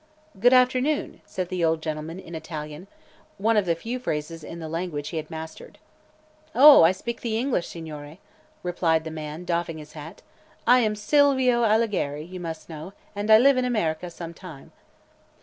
"Good afternoon," said the old gentleman in Italian one of the few phrases in the language he had mastered. "Oh, I speak the English, Signore," replied the man, doffing his hat. "I am Silvio Allegheri, you must know, and I live in America some time."